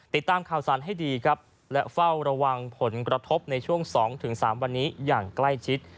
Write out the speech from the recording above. ติดตามข่าวสารให้ดีครับและเฝ้าระวังผลกระทบในช่วง๒๓วันนี้อย่างใกล้ชิด